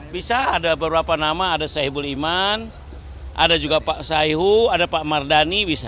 bisa ada beberapa nama ada soebul iman ada juga pak saihu ada pak mardani bisa